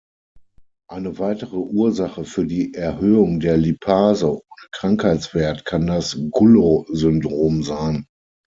Eine weitere Ursache für die Erhöhung der Lipase ohne Krankheitswert kann das Gullo-Syndrom sein.